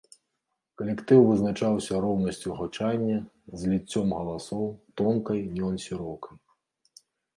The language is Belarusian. Калектыў вызначаўся роўнасцю гучання, зліццём галасоў, тонкай нюансіроўкай.